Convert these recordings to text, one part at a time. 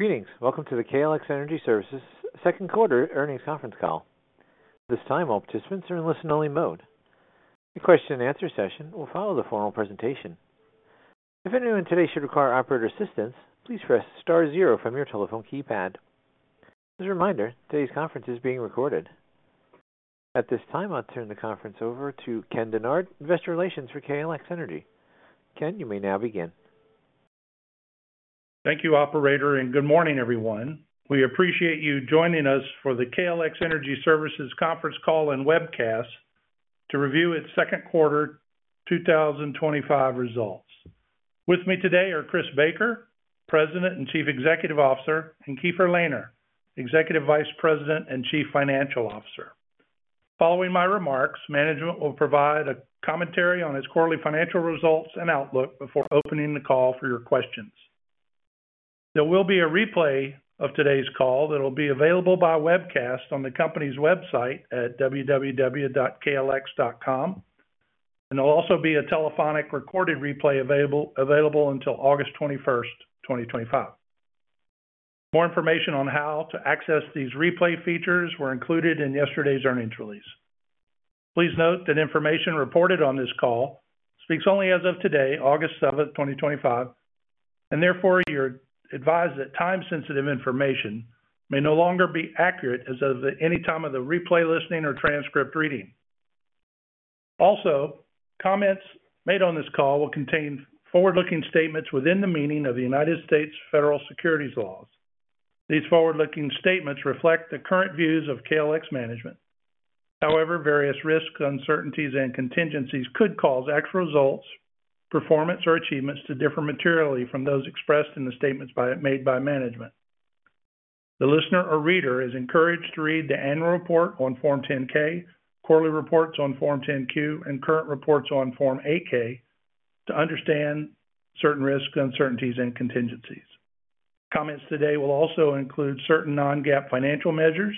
Greetings, welcome to the KLX Energy Services Second Quarter Earnings Conference Call. At this time, all participants are in listen-only mode. The question-and-answer session will follow the formal presentation. If anyone today should require operator assistance, please press star zero from your telephone keypad. As a reminder, today's conference is being recorded. At this time, I'll turn the conference over to Ken Dennard, Investor Relations for KLX Energy. Ken, you may now begin. Thank you, operator, and good morning, everyone. We appreciate you joining us for the KLX Energy Services Conference Call and Webcast to review its second quarter 2025 results. With me today are Chris Baker, President and Chief Executive Officer, and Keefer Lehner, Executive Vice President and Chief Financial Officer. Following my remarks, management will provide a commentary on its quarterly financial results and outlook before opening the call for your questions. There will be a replay of today's call that will be available by webcast on the company's website at www.klx.com, and there will also be a telephonic recorded replay available until August 21st, 2025. More information on how to access these replay features was included in yesterday's earnings release. Please note that information reported on this call speaks only as of today, August 7th, 2025, and therefore you're advised that time-sensitive information may no longer be accurate as of any time of the replay listening or transcript reading. Also, comments made on this call will contain forward-looking statements within the meaning of the United States Federal Securities Laws. These forward-looking statements reflect the current views of KLX management. However, various risks, uncertainties, and contingencies could cause actual results, performance, or achievements to differ materially from those expressed in the statements made by management. The listener or reader is encouraged to read the annual report on Form 10-K, quarterly reports on Form 10-Q, and current reports on Form 8-K to understand certain risks, uncertainties, and contingencies. Comments today will also include certain non-GAAP financial measures.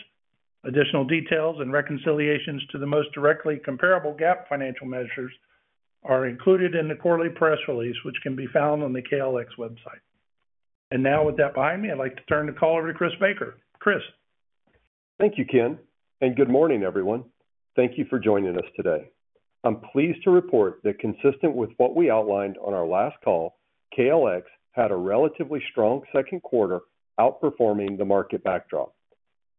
Additional details and reconciliations to the most directly comparable GAAP financial measures are included in the quarterly press release, which can be found on the KLX website. Now, with that behind me, I'd like to turn the call over to Chris Baker. Chris. Thank you, Ken, and good morning, everyone. Thank you for joining us today. I'm pleased to report that, consistent with what we outlined on our last call, KLX had a relatively strong second quarter, outperforming the market backdrop.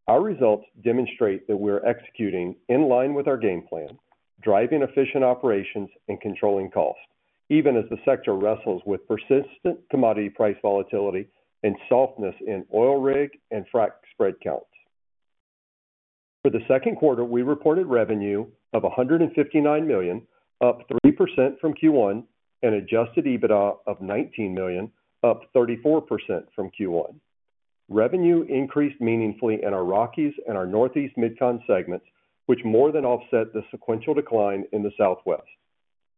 Our results demonstrate that we are executing in line with our game plan, driving efficient operations and controlling costs, even as the sector wrestles with persistent commodity price volatility and softness in oil rig and frac spread counts. For the second quarter, we reported revenue of $159 million, up 3% from Q1, and an adjusted EBITDA of $19 million, up 34% from Q1. Revenue increased meaningfully in our Rockies and our Northeast Mid-Con segments, which more than offset the sequential decline in the Southwest.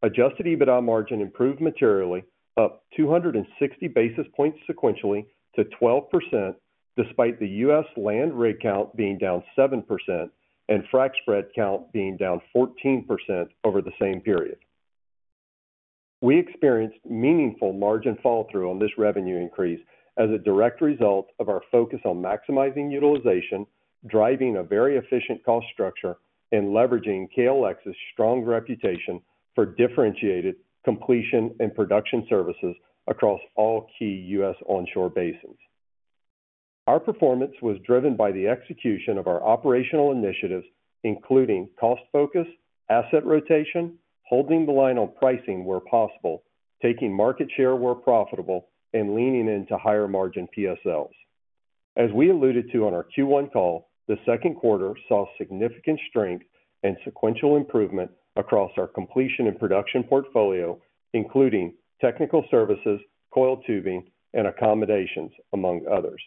Adjusted EBITDA margin improved materially, up 260 basis points sequentially to 12%, despite the U.S. land rig count being down 7% and frac spread count being down 14% over the same period. We experienced meaningful margin follow-through on this revenue increase as a direct result of our focus on maximizing utilization, driving a very efficient cost structure, and leveraging KLX's strong reputation for differentiated completion and production services across all key U.S. onshore basins. Our performance was driven by the execution of our operational initiatives, including cost focus, asset rotation, holding the line on pricing where possible, taking market share where profitable, and leaning into higher margin product service lines. As we alluded to on our Q1 call, the second quarter saw significant strength and sequential improvement across our completion and production portfolio, including technical services, coiled tubing, and accommodations, among others.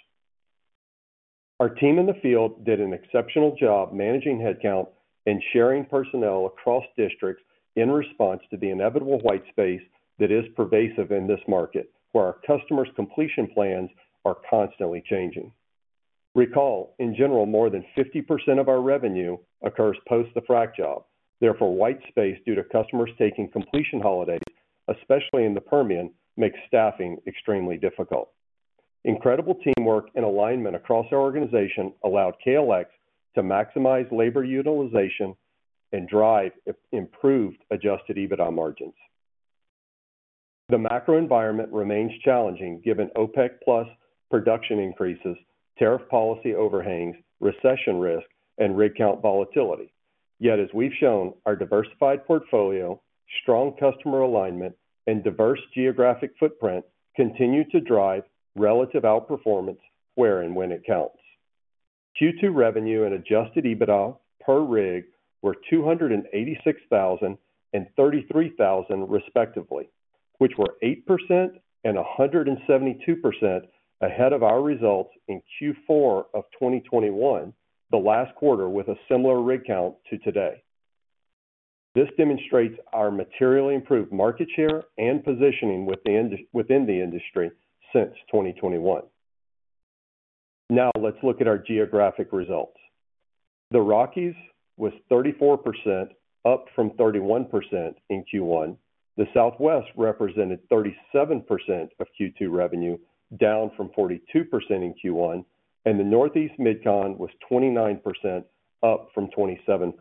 Our team in the field did an exceptional job managing headcount and sharing personnel across districts in response to the inevitable white space that is pervasive in this market, where our customers' completion plans are constantly changing. Recall, in general, more than 50% of our revenue occurs post the frac job. Therefore, white space due to customers taking completion holidays, especially in the Permian, makes staffing extremely difficult. Incredible teamwork and alignment across our organization allowed KLX to maximize labor utilization and drive improved adjusted EBITDA margins. The macro environment remains challenging given OPEC+ production increases, tariff policy overhangs, recession risk, and rig count volatility. Yet, as we've shown, our diversified portfolio, strong customer alignment, and diverse geographic footprint continue to drive relative outperformance where and when it counts. Q2 revenue and adjusted EBITDA per rig were $286,000 and $33,000, respectively, which were 8% and 172% ahead of our results in Q4 of 2021, the last quarter with a similar rig count to today. This demonstrates our materially improved market share and positioning within the industry since 2021. Now, let's look at our geographic results. The Rockies was 34%, up from 31% in Q1. The Southwest represented 37% of Q2 revenue, down from 42% in Q1, and the Northeast Mid-Con was 29%, up from 27%.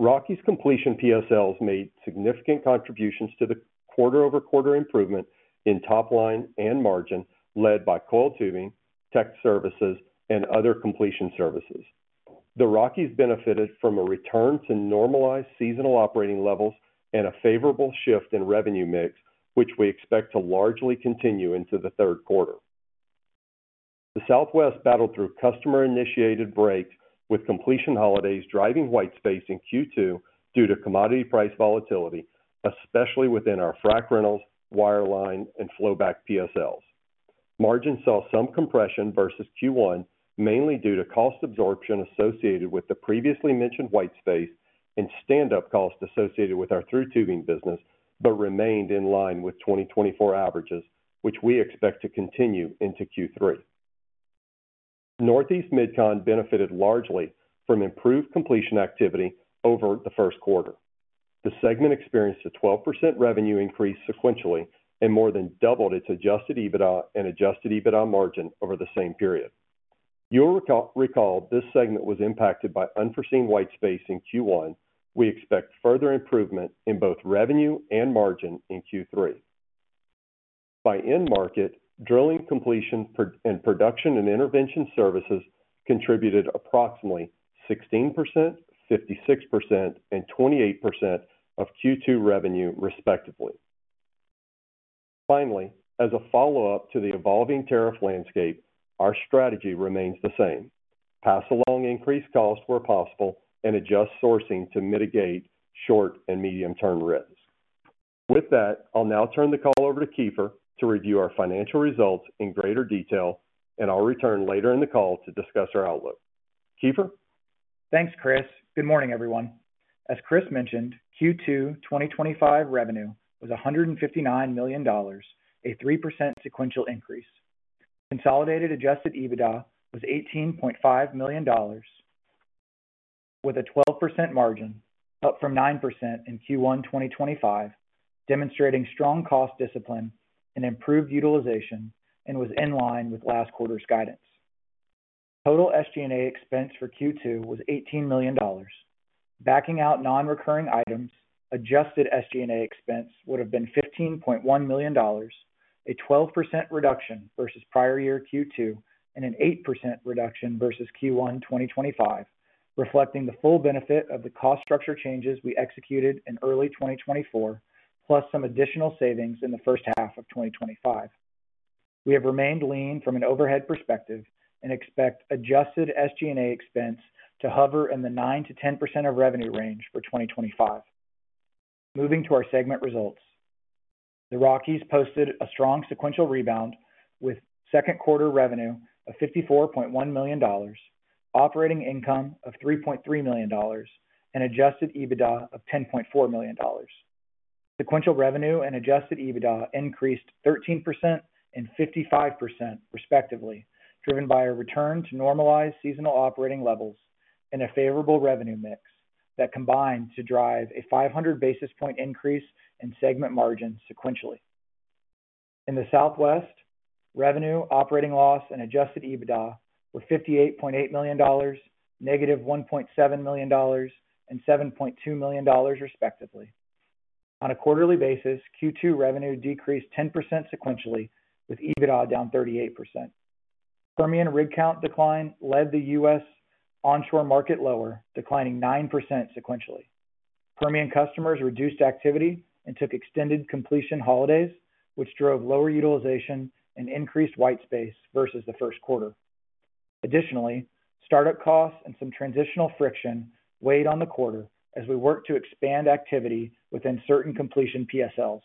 Rockies completion product service lines made significant contributions to the quarter-over-quarter improvement in top line and margin, led by coiled tubing, tech services, and other completion services. The Rockies benefited from a return to normalized seasonal operating levels and a favorable shift in revenue mix, which we expect to largely continue into the third quarter. The Southwest battled through customer-initiated breaks, with completion holidays driving white space in Q2 due to commodity price volatility, especially within our frac rentals, wireline services, and flowback services product service lines. Margins saw some compression versus Q1, mainly due to cost absorption associated with the previously mentioned white space and standup costs associated with our through tubing business, but remained in line with 2024 averages, which we expect to continue into Q3. Northeast Mid-Con benefited largely from improved completion activity over the first quarter. The segment experienced a 12% revenue increase sequentially and more than doubled its adjusted EBITDA and adjusted EBITDA margin over the same period. You'll recall this segment was impacted by unforeseen white space in Q1. We expect further improvement in both revenue and margin in Q3. By end market, drilling, completion, and production and intervention services contributed approximately 16%, 56%, and 28% of Q2 revenue, respectively. Finally, as a follow-up to the evolving tariff landscape, our strategy remains the same: pass along increased costs where possible and adjust sourcing to mitigate short and medium-term risks. With that, I'll now turn the call over to Keefer to review our financial results in greater detail, and I'll return later in the call to discuss our outlook. Keefer? Thanks, Chris. Good morning, everyone. As Chris mentioned, Q2 2025 revenue was $159 million, a 3% sequential increase. Consolidated adjusted EBITDA was $18.5 million, with a 12% margin, up from 9% in Q1 2025, demonstrating strong cost discipline and improved utilization and was in line with last quarter's guidance. Total SG&A expense for Q2 was $18 million. Backing out non-recurring items, adjusted SG&A expense would have been $15.1 million, a 12% reduction versus prior year Q2 and an 8% reduction versus Q1 2025, reflecting the full benefit of the cost structure changes we executed in early 2024, plus some additional savings in the first half of 2025. We have remained lean from an overhead perspective and expect adjusted SG&A expense to hover in the 9%-10% of revenue range for 2025. Moving to our segment results, the Rockies posted a strong sequential rebound with second-quarter revenue of $54.1 million, operating income of $3.3 million, and adjusted EBITDA of $10.4 million. Sequential revenue and adjusted EBITDA increased 13% and 55%, respectively, driven by a return to normalized seasonal operating levels and a favorable revenue mix that combined to drive a 500 basis point increase in segment margins sequentially. In the Southwest, revenue, operating loss, and adjusted EBITDA were $58.8 million, -$1.7 million, and $7.2 million, respectively. On a quarterly basis, Q2 revenue decreased 10% sequentially, with EBITDA down 38%. Permian rig count decline led the U.S. onshore market lower, declining 9% sequentially. Permian customers reduced activity and took extended completion holidays, which drove lower utilization and increased white space versus the first quarter. Additionally, startup costs and some transitional friction weighed on the quarter as we worked to expand activity within certain completion PSLs.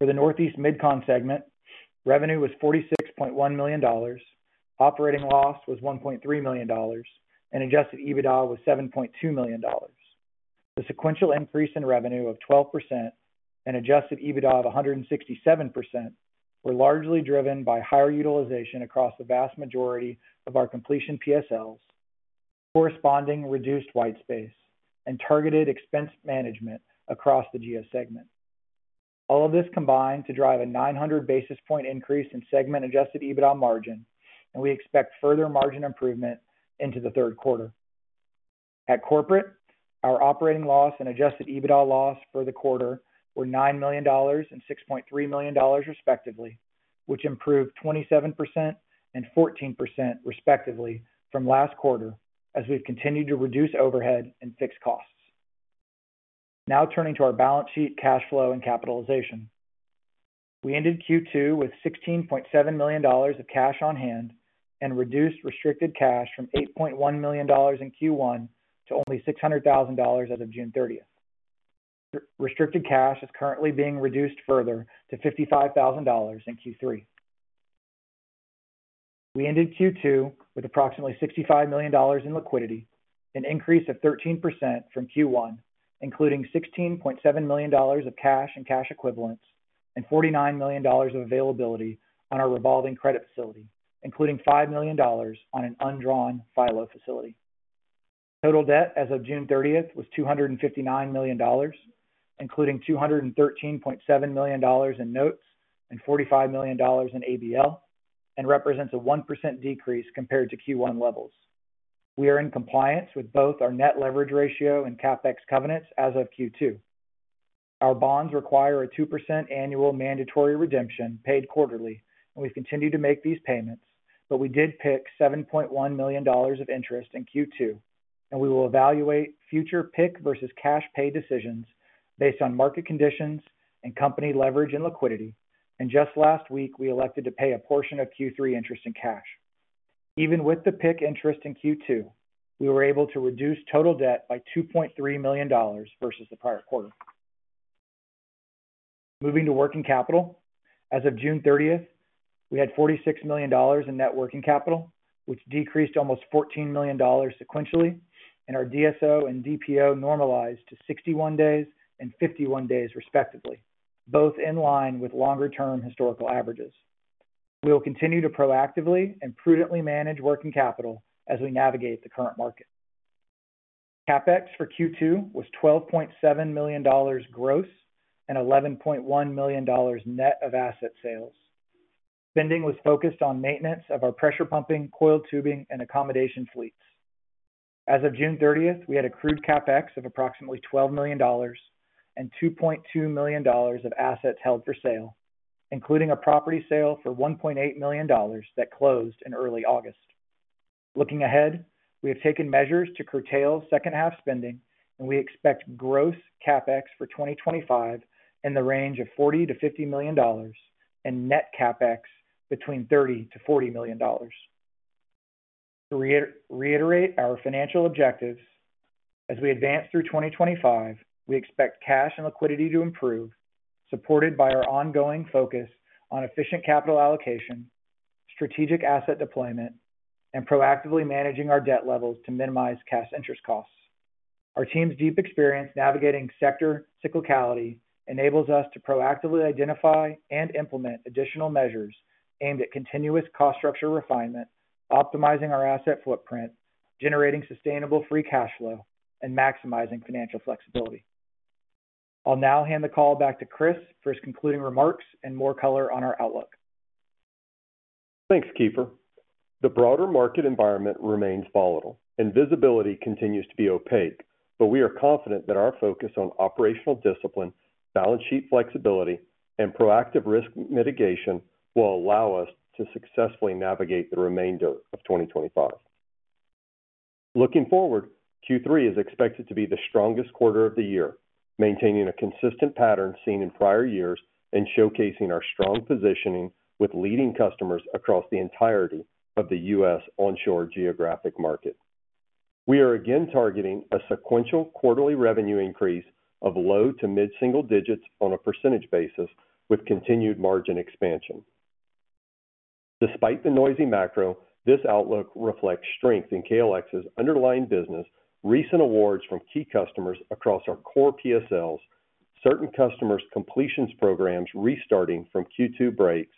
For the Northeast Mid-Con segment, revenue was $46.1 million, operating loss was $1.3 million, and adjusted EBITDA was $7.2 million. The sequential increase in revenue of 12% and adjusted EBITDA of 167% were largely driven by higher utilization across the vast majority of our completion PSLs, corresponding reduced white space, and targeted expense management across the GS segment. All of this combined to drive a 900 basis point increase in segment adjusted EBITDA margin, and we expect further margin improvement into the third quarter. At corporate, our operating loss and adjusted EBITDA loss for the quarter were $9 million and $6.3 million, respectively, which improved 27% and 14%, respectively, from last quarter as we've continued to reduce overhead and fixed costs. Now turning to our balance sheet, cash flow, and capitalization. We ended Q2 with $16.7 million of cash on hand and reduced restricted cash from $8.1 million in Q1 to only $600,000 as of June 30th. Restricted cash is currently being reduced further to $55,000 in Q3. We ended Q2 with approximately $65 million in liquidity, an increase of 13% from Q1, including $16.7 million of cash and cash equivalents and $49 million of availability on our revolving credit facility, including $5 million on an undrawn file facility. Total debt as of June 30th was $259 million, including $213.7 million in notes and $45 million in ABL, and represents a 1% decrease compared to Q1 levels. We are in compliance with both our net leverage ratio and CapEx covenants as of Q2. Our bonds require a 2% annual mandatory redemption paid quarterly, and we've continued to make these payments, but we did pick $7.1 million of interest in Q2, and we will evaluate future PIK versus cash pay decisions based on market conditions and company leverage and liquidity. Just last week, we elected to pay a portion of Q3 interest in cash. Even with the PIK interest in Q2, we were able to reduce total debt by $2.3 million versus the prior quarter. Moving to working capital, as of June 30th, we had $46 million in net working capital, which decreased almost $14 million sequentially, and our DSO and DPO normalized to 61 days and 51 days, respectively, both in line with longer-term historical averages. We will continue to proactively and prudently manage working capital as we navigate the current market. CapEx for Q2 was $12.7 million gross and $11.1 million net of asset sales. Spending was focused on maintenance of our pressure pumping, coiled tubing, and accommodation fleets. As of June 30th, we had accrued CapEx of approximately $12 million and $2.2 million of assets held for sale, including a property sale for $1.8 million that closed in early August. Looking ahead, we have taken measures to curtail second-half spending, and we expect gross CapEx for 2025 in the range of $40 million-$50 million and net CapEx between $30 million-$40 million. To reiterate our financial objectives, as we advance through 2025, we expect cash and liquidity to improve, supported by our ongoing focus on efficient capital allocation, strategic asset deployment, and proactively managing our debt levels to minimize cash interest costs. Our team's deep experience navigating sector cyclicality enables us to proactively identify and implement additional measures aimed at continuous cost structure refinement, optimizing our asset footprint, generating sustainable free cash flow, and maximizing financial flexibility. I'll now hand the call back to Chris for his concluding remarks and more color on our outlook. Thanks, Keefer. The broader market environment remains volatile, and visibility continues to be opaque, but we are confident that our focus on operational discipline, balance sheet flexibility, and proactive risk mitigation will allow us to successfully navigate the remainder of 2025. Looking forward, Q3 is expected to be the strongest quarter of the year, maintaining a consistent pattern seen in prior years and showcasing our strong positioning with leading customers across the entirety of the U.S. onshore geographic market. We are again targeting a sequential quarterly revenue increase of low to mid-single digits on a percentage basis with continued margin expansion. Despite the noisy macro, this outlook reflects strength in KLX's underlying business, recent awards from key customers across our core product service lines, certain customers' completions programs restarting from Q2 breaks,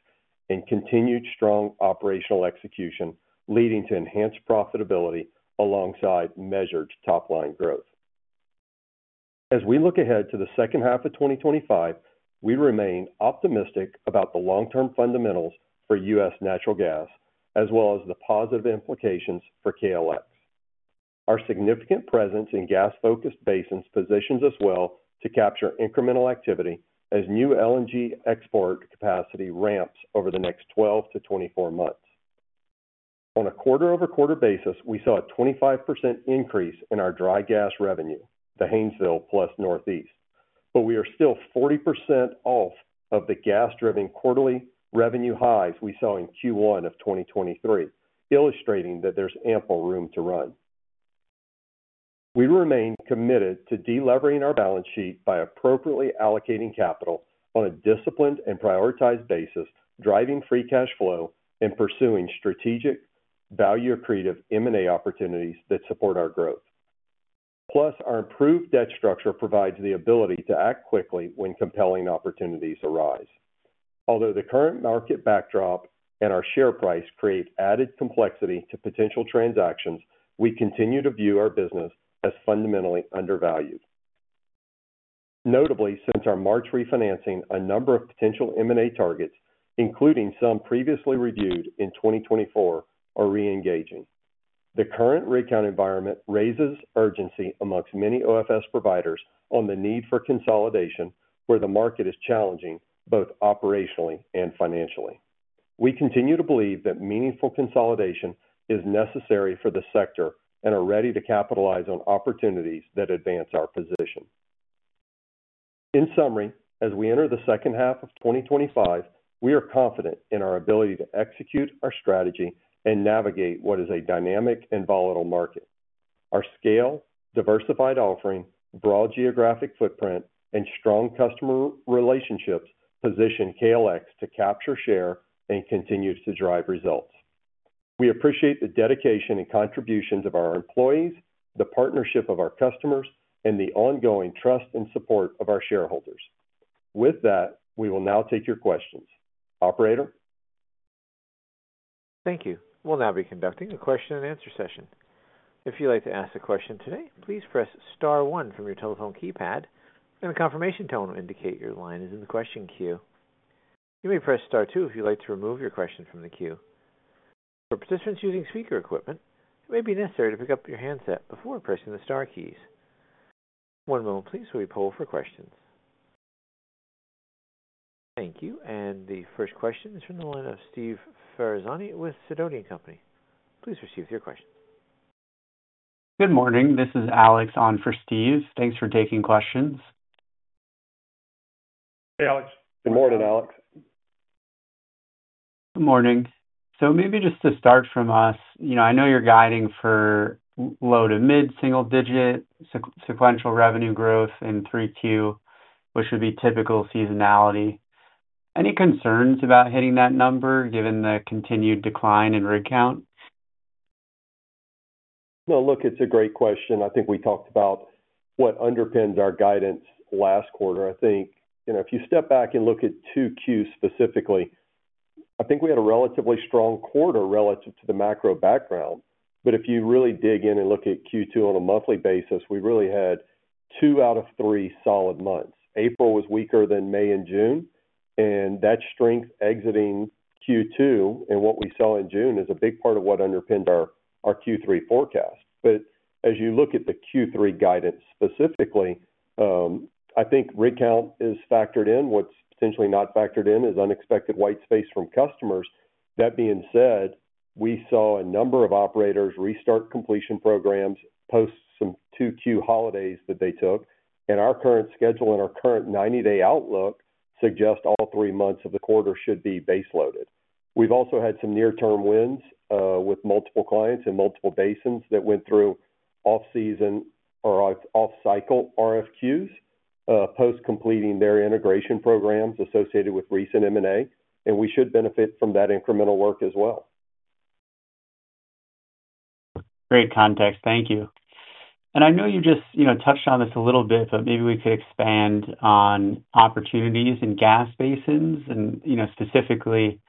and continued strong operational execution leading to enhanced profitability alongside measured top-line growth. As we look ahead to the second half of 2025, we remain optimistic about the long-term fundamentals for U.S. natural gas, as well as the positive implications for KLX. Our significant presence in gas-focused basins positions us well to capture incremental activity as new LNG export capacity ramps over the next 12-24 months. On a quarter-over-quarter basis, we saw a 25% increase in our dry gas revenue, the Haynesville plus Northeast, but we are still 40% off of the gas-driven quarterly revenue highs we saw in Q1 of 2023, illustrating that there's ample room to run. We remain committed to deleveraging our balance sheet by appropriately allocating capital on a disciplined and prioritized basis, driving free cash flow and pursuing strategic value-accretive M&A opportunities that support our growth. Plus, our improved debt structure provides the ability to act quickly when compelling opportunities arise. Although the current market backdrop and our share price create added complexity to potential transactions, we continue to view our business as fundamentally undervalued. Notably, since our March refinancing, a number of potential M&A targets, including some previously reviewed in 2024, are re-engaging. The current rig count environment raises urgency amongst many oilfield services providers on the need for consolidation where the market is challenging both operationally and financially. We continue to believe that meaningful consolidation is necessary for the sector and are ready to capitalize on opportunities that advance our position. In summary, as we enter the second half of 2025, we are confident in our ability to execute our strategy and navigate what is a dynamic and volatile market. Our scale, diversified offering, broad geographic footprint, and strong customer relationships position KLX to capture share and continue to drive results. We appreciate the dedication and contributions of our employees, the partnership of our customers, and the ongoing trust and support of our shareholders. With that, we will now take your questions. Operator? Thank you. We'll now be conducting a question-and-answer session. If you'd like to ask a question today, please press star one from your telephone keypad, and a confirmation tone will indicate your line is in the question queue. You may press star two if you'd like to remove your question from the queue. For participants using speaker equipment, it may be necessary to pick up your handset before pressing the star keys. One moment, please, while we poll for questions. Thank you. The first question is from the line of Steve Ferazani with Sidoti & Company. Please proceed with your question. Good morning. This is Alex on for Steve. Thanks for taking questions. Good morning, Alex. Good morning. Maybe just to start from us, I know you're guiding for low to mid-single-digit sequential revenue growth in 3Q, which would be typical seasonality. Any concerns about hitting that number given the continued decline in rig count? No, look, it's a great question. I think we talked about what underpinned our guidance last quarter. If you step back and look at 2Q specifically, we had a relatively strong quarter relative to the macro background. If you really dig in and look at Q2 on a monthly basis, we really had two out of three solid months. April was weaker than May and June, and that strength exiting Q2 and what we saw in June is a big part of what underpinned our Q3 forecast. As you look at the Q3 guidance specifically, I think rig count is factored in. What's potentially not factored in is unexpected white space from customers. That being said, we saw a number of operators restart completion programs post some 2Q holidays that they took, and our current schedule and our current 90-day outlook suggest all three months of the quarter should be baseloaded. We've also had some near-term wins, with multiple clients in multiple basins that went through off-season or off-cycle RFQs, post-completing their integration programs associated with recent M&A, and we should benefit from that incremental work as well. Great context. Thank you. I know you just touched on this a little bit, but maybe we could expand on opportunities in gas basins and specifically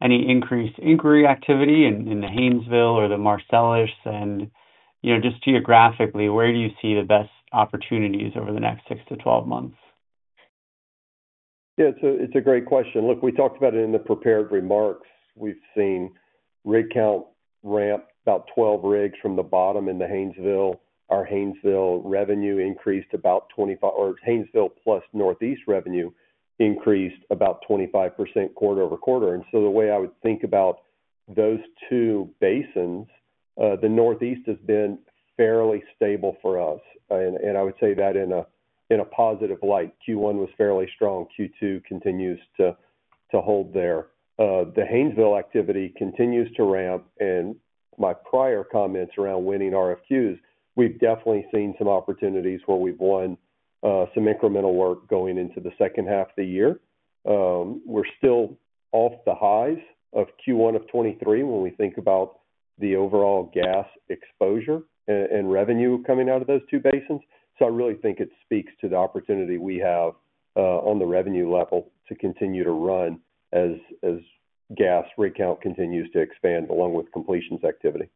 any increased inquiry activity in the Haynesville or the Marcellus, and just geographically, where do you see the best opportunities over the next 6-12 months? Yeah, it's a great question. Look, we talked about it in the prepared remarks. We've seen rig count ramp about 12 rigs from the bottom in the Haynesville. Our Haynesville revenue increased about 25%, or Haynesville plus Northeast revenue increased about 25% quarter-over-quarter. The way I would think about those two basins, the Northeast has been fairly stable for us. I would say that in a positive light. Q1 was fairly strong. Q2 continues to hold there. The Haynesville activity continues to ramp, and my prior comments around winning RFQs, we've definitely seen some opportunities where we've won some incremental work going into the second half of the year. We're still off the highs of Q1 of 2023 when we think about the overall gas exposure and revenue coming out of those two basins. I really think it speaks to the opportunity we have on the revenue level to continue to run as gas rig count continues to expand along with completions activity.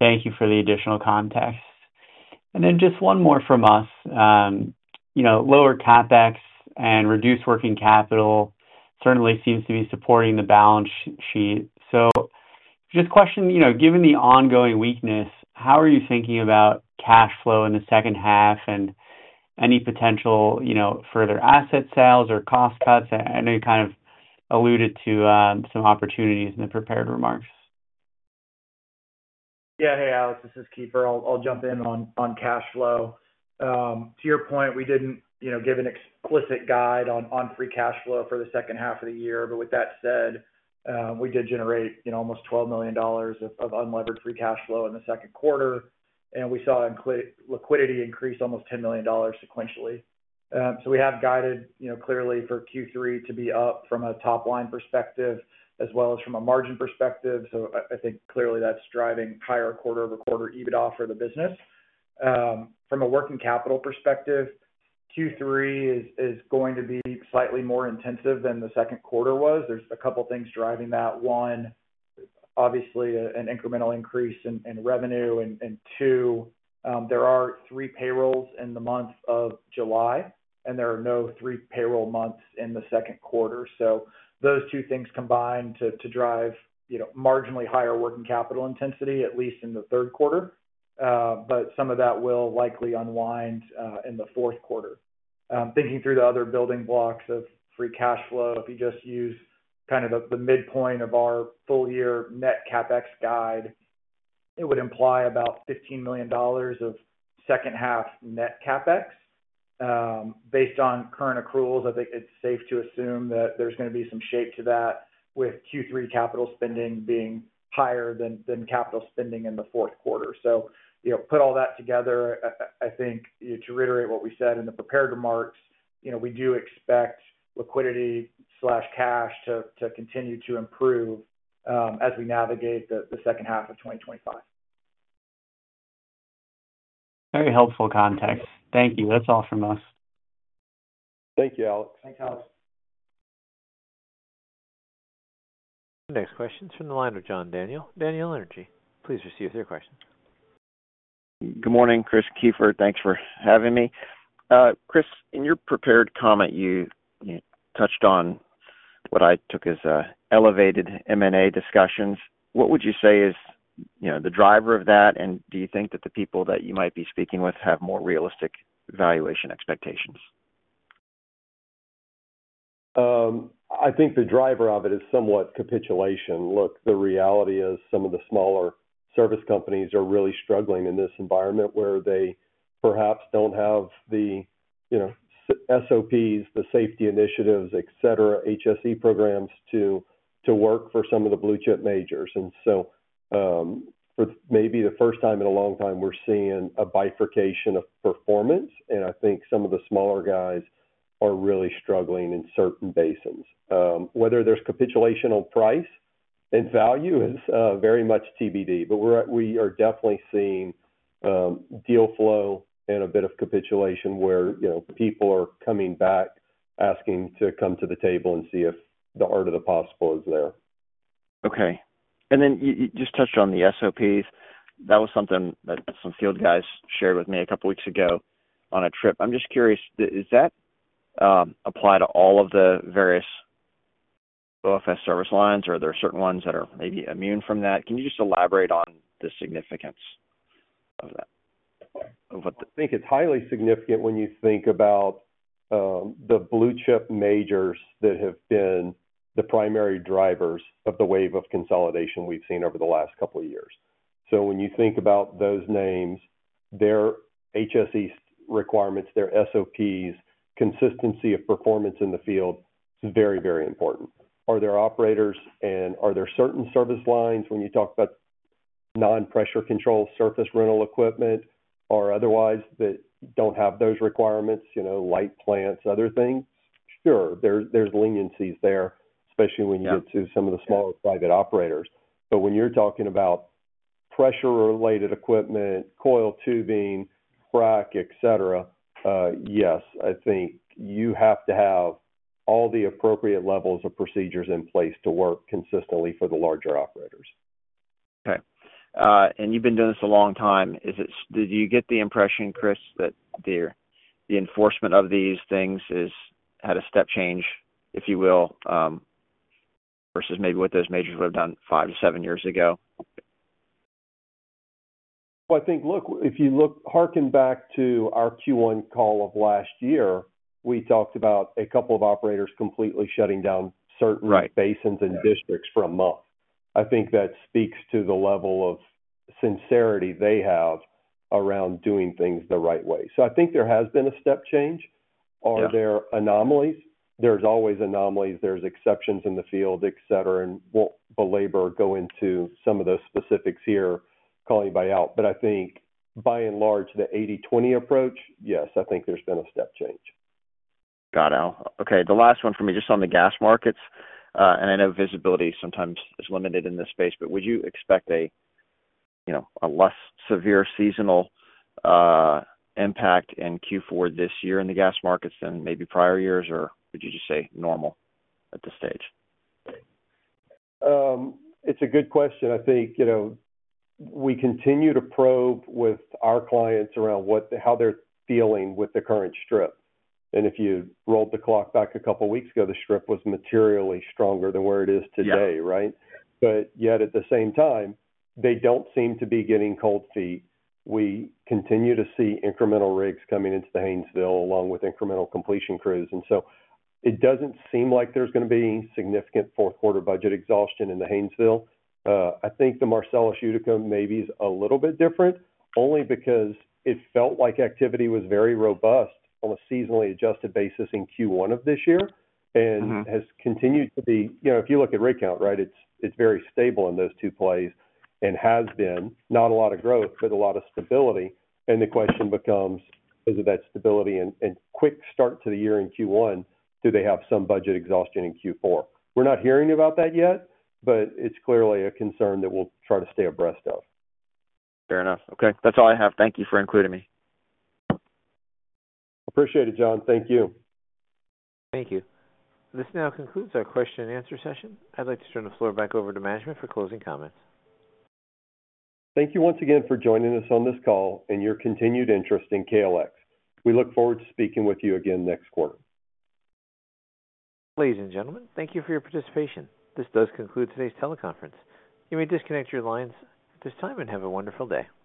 Thank you for the additional context. Just one more from us. You know, lower CapEx and reduced working capital certainly seems to be supporting the balance sheet. Just a question, given the ongoing weakness, how are you thinking about cash flow in the second half and any potential further asset sales or cost cuts? I know you kind of alluded to some opportunities in the prepared remarks. Yeah, hey, Alex, this is Keefer. I'll jump in on cash flow. To your point, we didn't give an explicit guide on free cash flow for the second half of the year, but with that said, we did generate almost $12 million of unlevered free cash flow in the second quarter, and we saw liquidity increase almost $10 million sequentially. We have guided clearly for Q3 to be up from a top-line perspective as well as from a margin perspective. I think clearly that's driving higher quarter-over-quarter EBITDA for the business. From a working capital perspective, Q3 is going to be slightly more intensive than the second quarter was. There are a couple of things driving that. One, obviously an incremental increase in revenue, and two, there are three payrolls in the month of July, and there are no three payroll months in the second quarter. Those two things combine to drive marginally higher working capital intensity, at least in the third quarter. Some of that will likely unwind in the fourth quarter. Thinking through the other building blocks of free cash flow, if you just use kind of the midpoint of our full-year net CapEx guide, it would imply about $15 million of second-half net CapEx. Based on current accruals, I think it's safe to assume that there's going to be some shape to that with Q3 capital spending being higher than capital spending in the fourth quarter. Put all that together, I think, to reiterate what we said in the prepared remarks, we do expect liquidity/cash to continue to improve as we navigate the second half of 2025. Very helpful context. Thank you. That's all from us. Thank you, Alex. Thanks, Alex. Next question is from the line of John Daniel, Daniel Energy. Please proceed with your question. Good morning, Chris, Keefer. Thanks for having me. Chris, in your prepared comment, you touched on what I took as elevated M&A discussions. What would you say is the driver of that, and do you think that the people that you might be speaking with have more realistic valuation expectations? I think the driver of it is somewhat capitulation. Look, the reality is some of the smaller service companies are really struggling in this environment where they perhaps don't have the SOP, the safety initiatives, HSE programs to work for some of the blue-chip majors. For maybe the first time in a long time, we're seeing a bifurcation of performance, and I think some of the smaller guys are really struggling in certain basins. Whether there's capitulation on price and value is very much TBD, but we are definitely seeing deal flow and a bit of capitulation where people are coming back asking to come to the table and see if the art of the possible is there. Okay. You just touched on the SOPs. That was something that some field guys shared with me a couple of weeks ago on a trip. I'm just curious, does that apply to all of the various OFS service lines, or are there certain ones that are maybe immune from that? Can you just elaborate on the significance of that? I think it's highly significant when you think about the blue-chip majors that have been the primary drivers of the wave of consolidation we've seen over the last couple of years. When you think about those names, their HSE requirements, their SOPs, consistency of performance in the field is very, very important. Are there operators and are there certain service lines when you talk about non-pressure control surface rental equipment or otherwise that don't have those requirements, you know, light plants, other things? Sure, there's leniencies there, especially when you get to some of the smaller private operators. When you're talking about pressure-related equipment, coiled tubing, frac, etc., yes, I think you have to have all the appropriate levels of procedures in place to work consistently for the larger operators. Okay. You've been doing this a long time. Did you get the impression, Chris, that the enforcement of these things has had a step change, if you will, versus maybe what those majors would have done five to seven years ago? If you harken back to our Q1 call of last year, we talked about a couple of operators completely shutting down certain basins and districts for a month. I think that speaks to the level of sincerity they have around doing things the right way. I think there has been a step change. Are there anomalies? There's always anomalies. There are exceptions in the field, etc., and I won't belabor or go into some of those specifics here calling anybody out. I think by and large, the 80-20 approach, yes, I think there's been a step change. Got it. Okay. The last one for me, just on the gas markets, and I know visibility sometimes is limited in this space, but would you expect a less severe seasonal impact in Q4 this year in the gas markets than maybe prior years, or would you just say normal at this stage? It's a good question. I think we continue to probe with our clients around how they're feeling with the current strip. If you rolled the clock back a couple of weeks ago, the strip was materially stronger than where it is today, right? Yet at the same time, they don't seem to be getting cold feet. We continue to see incremental rigs coming into the Haynesville along with incremental completion crews. It doesn't seem like there's going to be any significant fourth-quarter budget exhaustion in the Haynesville. I think the Marcellus/Utica maybe is a little bit different, only because it felt like activity was very robust on a seasonally adjusted basis in Q1 of this year and has continued to be. If you look at rig count, right, it's very stable in those two plays and has been not a lot of growth, but a lot of stability. The question becomes, is it that stability and quick start to the year in Q1? Do they have some budget exhaustion in Q4? We're not hearing about that yet, but it's clearly a concern that we'll try to stay abreast of. Fair enough. Okay, that's all I have. Thank you for including me. Appreciate it, John. Thank you. Thank you. This now concludes our question-and-answer session. I'd like to turn the floor back over to management for closing comments. Thank you once again for joining us on this call and your continued interest in KLX Energy Services. We look forward to speaking with you again next quarter. Ladies and gentlemen, thank you for your participation. This does conclude today's Teleconference. You may disconnect your lines at this time and have a wonderful day.